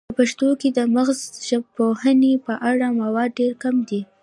په پښتو کې د مغزژبپوهنې په اړه مواد ډیر کم دي